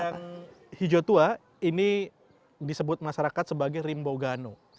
yang hijau tua ini disebut masyarakat sebagai rimbogano